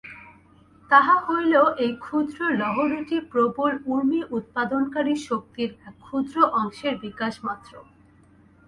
তাহা হইলেও ঐ ক্ষুদ্র লহরীটি প্রবল উর্মি-উৎপাদনকারী শক্তির এক ক্ষুদ্র অংশেরই বিকাশমাত্র।